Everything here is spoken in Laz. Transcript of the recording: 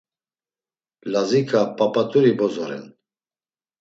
Lazika P̌ap̌aturi bozo ren.